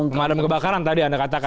pemadam kebakaran tadi anda katakan